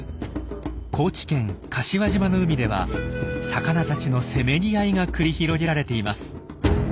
高知県柏島の海では魚たちのせめぎ合いが繰り広げられています。